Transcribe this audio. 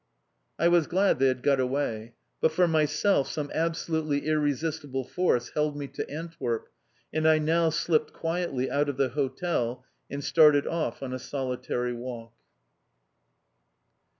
I was glad they had got away. But for myself some absolutely irresistible force held me to Antwerp, and I now slipped quietly out of the hotel and started off on a solitary walk.